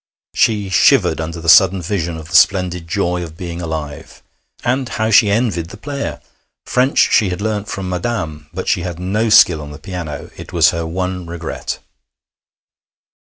She shivered under the sudden vision of the splendid joy of being alive. And how she envied the player! French she had learned from 'Madame,' but she had no skill on the piano; it was her one regret.